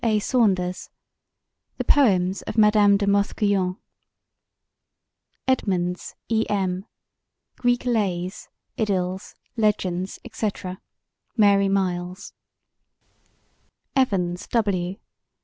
A. SAUNDERS: The Poems of Madame de la Mothe Guyon EDMONDS, E. M.: Greek Lays, Idylls, Legends, etc. Mary Myles EVANS, W.